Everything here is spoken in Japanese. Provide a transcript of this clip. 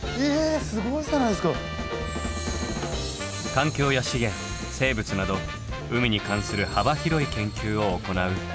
環境や資源生物など海に関する幅広い研究を行う。